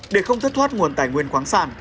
để không thất thoát nguồn tài nguyên khoáng sản